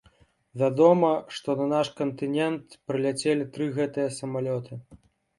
Вядома, што на наш кантынент прыляцелі тры гэтыя самалёты.